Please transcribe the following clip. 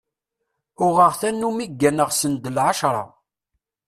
Uɣeɣ tanumi gganeɣ send lɛecṛa.